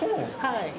はい。